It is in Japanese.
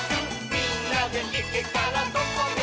「みんなでいけたらどこでもイス！」